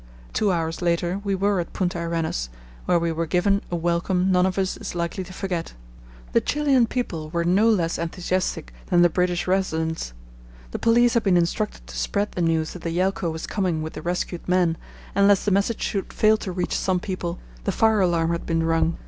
Two hours later we were at Punta Arenas, where we were given a welcome none of us is likely to forget. The Chilian people were no less enthusiastic than the British residents. The police had been instructed to spread the news that the Yelcho was coming with the rescued men, and lest the message should fail to reach some people, the fire alarm had been rung.